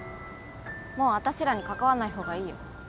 もうあたしらに関わんない方がいいよ。